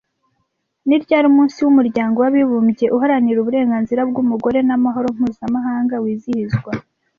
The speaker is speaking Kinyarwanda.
Ni ryari umunsi w’umuryango w’abibumbye uharanira uburenganzira bw’umugore n’amahoro mpuzamahanga wizihizwa